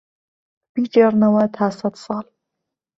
بی گێڕنهوه تا سەتساڵ